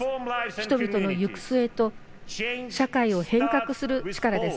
人々の行く末と社会を変革する力です。